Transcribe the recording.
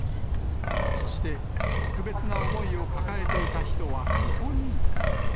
そして、特別な思いを抱えていた人はここにも。